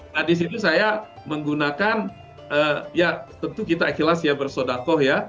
nah disitu saya menggunakan ya tentu kita ikhlas ya bersodakoh ya